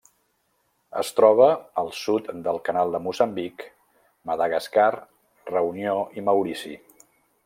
Es troba al sud del Canal de Moçambic, Madagascar, Reunió i Maurici.